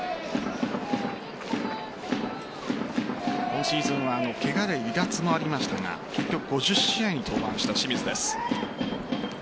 今シーズンはケガで離脱もありましたが結局５０試合に登板した清水です。